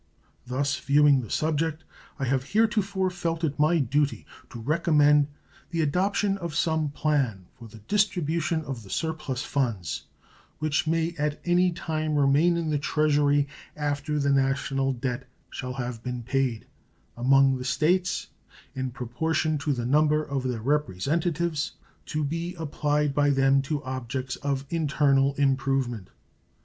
Thus viewing the subject, I have heretofore felt it my duty to recommend the adoption of some plan for the distribution of the surplus funds, which may at any time remain in the Treasury after the national debt shall have been paid, among the States, in proportion to the number of their Representatives, to be applied by them to objects of internal improvement.